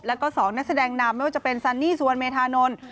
แล้วก็๒นักแสดงนำไม่ว่าจะเป็นซันนี่สุวรรณเมธานนท์